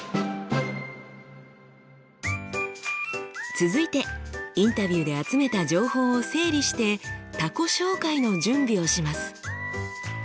続いてインタビューで集めた情報を整理して他己紹介の準備をします。